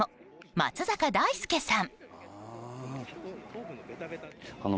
松坂大輔さん！